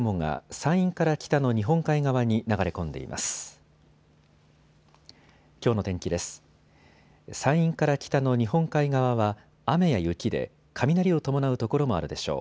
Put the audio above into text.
山陰から北の日本海側は雨や雪で雷を伴う所もあるでしょう。